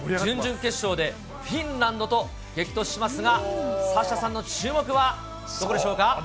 準々決勝でフィンランドと激突しますが、サッシャさんの注目はどこでしょうか。